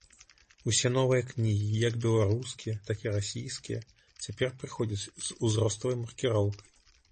Усе новыя кнігі, як беларускія, так і расійскія, цяпер прыходзяць з узроставай маркіроўкай.